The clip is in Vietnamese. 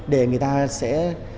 để người ta sẽ